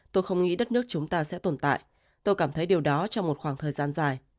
tôi không nghĩ đất nước chúng ta sẽ tồn tại tôi cảm thấy điều đó trong một khoảng thời gian dài